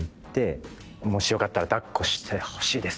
もしよかったら抱っこしてほしいです！